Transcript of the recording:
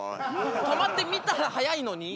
止まって見たら早いのに。